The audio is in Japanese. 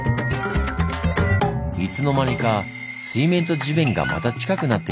いつの間にか水面と地面がまた近くなっています。